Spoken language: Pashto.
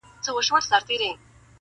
و سر لره مي دار او غرغرې لرې که نه,